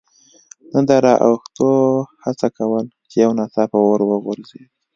نه د را اوښتو هڅه کول، چې یو ناڅاپه ور وغورځېد.